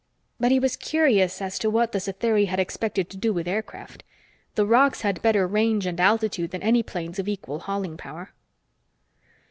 But he was curious as to what the Satheri had expected to do with aircraft. The rocs had better range and altitude than any planes of equal hauling power.